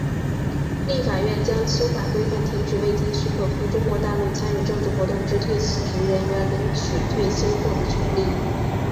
立法院将修法规范停止未经许可赴中国大陆参与政治活动之退职人员领取退休俸的权利。